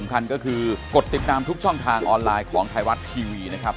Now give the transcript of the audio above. สำคัญก็คือกดติดตามทุกช่องทางออนไลน์ของไทยรัฐทีวีนะครับ